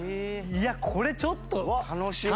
いやこれちょっと。